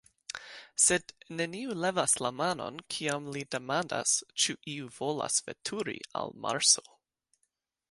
Sed neniu levas la manon, kiam li demandas, ĉu iu volas veturi al Marso.